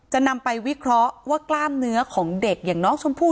จะนำไปวิเคราะห์ว่ากล้ามเนื้อของเด็กอย่างน้องชมพู่